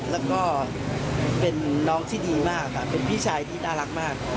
แล้วก็เป็นน้องที่ดีมากค่ะเป็นพี่ชายที่น่ารักมาก